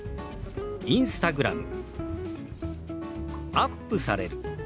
「アップされる」。